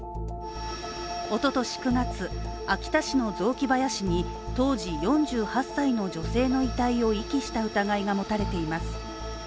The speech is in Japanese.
おととし９月、秋田市の雑木林に当時４８歳の女性の遺体を遺棄した疑いが持たれています。